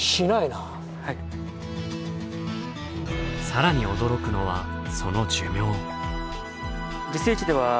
更に驚くのはその寿命。